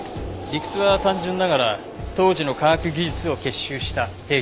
理屈は単純ながら当時の科学技術を結集した兵器です。